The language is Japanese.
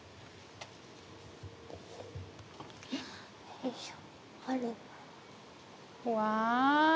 よいしょ。